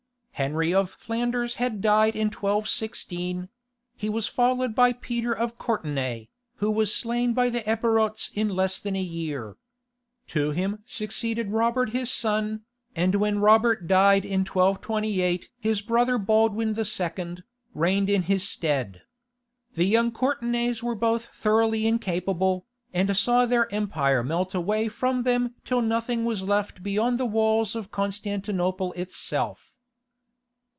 Henry of Flanders had died in 1216; he was followed by Peter of Courtenay, who was slain by the Epirots in less than a year. To him succeeded Robert his son, and when Robert died in 1228 his brother Baldwin II., reigned in his stead. The young Courtenays were both thoroughly incapable, and saw their empire melt away from them till nothing was left beyond the walls of Constantinople itself.